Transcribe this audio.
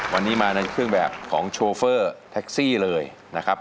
วันนี้มาในเครื่องแบบของโชเฟอร์แท็กซี่เลยนะครับ